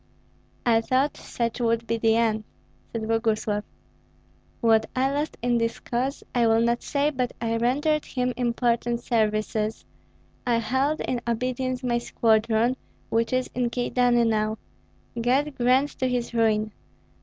"I thought such would be the end," said Boguslav. "What I lost in his cause I will not say, but I rendered him important services. I held in obedience my squadron, which is in Kyedani now, God grant to his ruin!